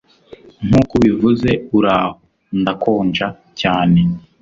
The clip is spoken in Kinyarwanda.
nkuko ubivuze, uraho, ndakonja cyane